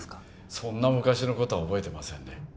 そんな昔のことは覚えてませんね